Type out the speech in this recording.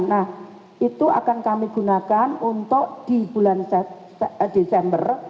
nah itu akan kami gunakan untuk di bulan desember